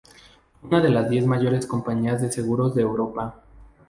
Fue una de las diez mayores compañías de seguros de Europa.